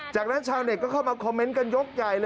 จากนั้นชาวเน็ตก็เข้ามาคอมเมนต์กันยกใหญ่เลย